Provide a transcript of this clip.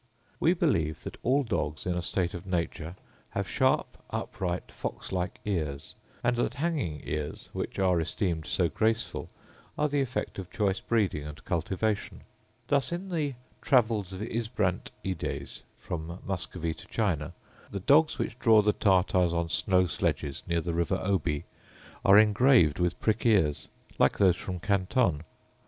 We believe that all dogs, in a state of nature, have sharp, upright fox like ears; and that hanging ears, which are esteemed so graceful, are the effect of choice breeding and cultivation. Thus, in the Travels of Ysbrandt Ides from Muscovy to China, the dogs which draw the Tartars on snow sledges near the river Oby are engraved with prick ears, like those from Canton.